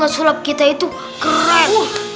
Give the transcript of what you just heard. betul tidak kak